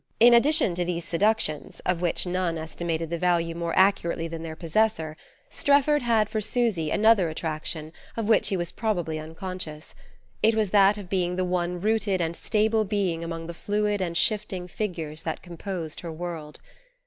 In addition to these seductions, of which none estimated the value more accurately than their possessor, Strefford had for Susy another attraction of which he was probably unconscious. It was that of being the one rooted and stable being among the fluid and shifting figures that composed her world.